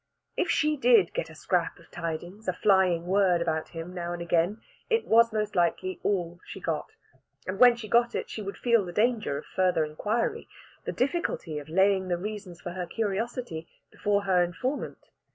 If she did get a scrap of tidings, a flying word, about him now and again, it was most likely all she got. And when she got it she would feel the danger of further inquiry the difficulty of laying the reasons for her curiosity before her informant.